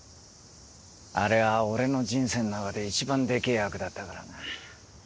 あれは僕の人生の中で一番デケエ役だったからな。